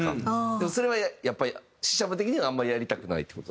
でもそれはやっぱりＳＨＩＳＨＡＭＯ的にはあんまりやりたくないって事？